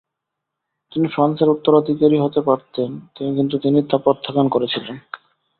তিনি ফ্রান্সের উত্তরাধিকারী হতে পারতেন, কিন্তু তিনি তা প্রত্যাখ্যান করেছিলেন।